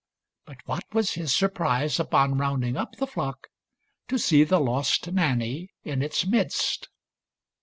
But what was his sur prise upon rounding up the flock, to see the lost Nanny in its midst